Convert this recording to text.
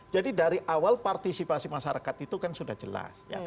jadi dari awal partisipasi masyarakat itu kan sudah jelas